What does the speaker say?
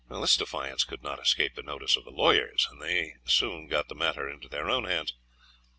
This defiance could not escape the notice of the lawyers, and they soon got the matter into their own hands.